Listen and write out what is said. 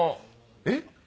えっ？